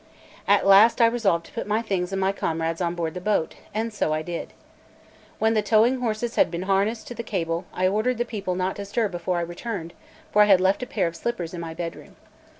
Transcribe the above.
At last I resolved to put my things and my comrade's on board the boat; and so I did. When the towing horses had been harnessed to the cable, I ordered the people not to stir before I returned, for I had left a pair of slippers in my bedroom.